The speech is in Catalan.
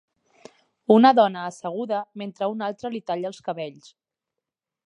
Una dona asseguda mentre una altra li talla els cabells.